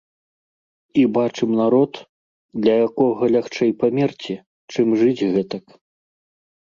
І бачым народ, для якога лягчэй памерці, чым жыць гэтак.